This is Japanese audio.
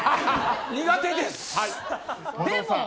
苦手です。